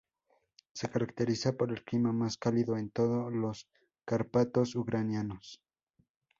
Se caracteriza por el clima más cálido en todo los Cárpatos ucranianos.